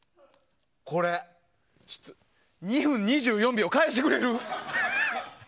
２分２４秒返してくれる！